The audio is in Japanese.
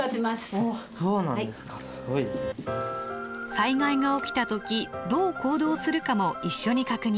災害が起きた時どう行動するかも一緒に確認。